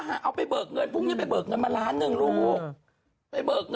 ให้มาเกี๊ยะฉันพัดดีไงอะหนูรับสาย